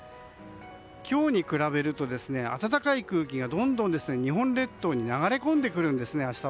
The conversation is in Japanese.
今日に比べると暖かい空気が明日はどんどん日本列島に流れ込んでくるんですね。